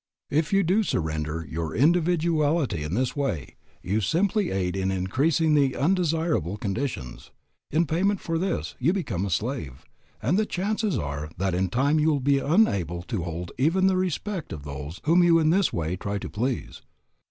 If you do surrender your individuality in this way, you simply aid in increasing the undesirable conditions; in payment for this you become a slave, and the chances are that in time you will be unable to hold even the respect of those whom you in this way try to please.